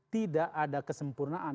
tidak ada kesempurnaan